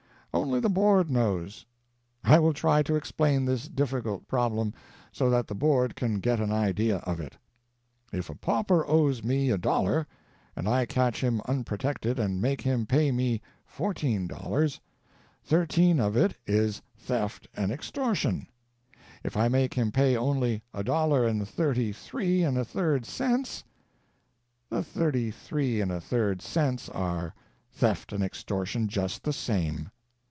Only the Board knows ! I will try to explain this difficult problem, so that the Board can get an idea of it. If a pauper owes me a dollar, and I catch him unprotected and make him pay me four teen dollars, thirteen of it is "theft and extortion" ; if I make him pay only a dollar and thirty three and a third cents, the thirty three and a third cents are "theft and extortion" just the same.